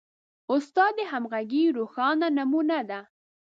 استاد د همغږۍ روښانه نمونه ده.